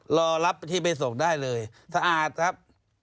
รอรับที่ไปส่งได้เลยสะอาดครับ